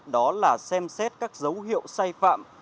đó là xem xét các dấu hiệu sai phạm